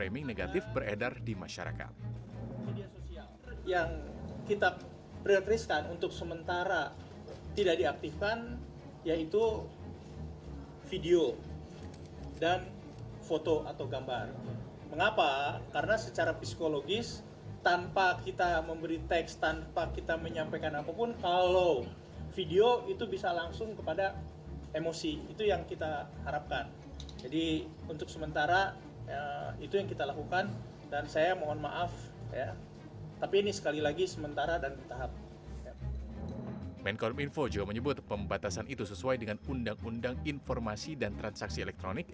menkorup info juga menyebut pembatasan itu sesuai dengan undang undang informasi dan transaksi elektronik